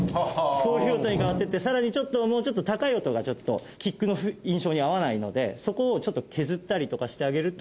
こういう音に変わっていってさらにもうちょっと高い音がキックの印象に合わないのでそこをちょっと削ったりとかしてあげると。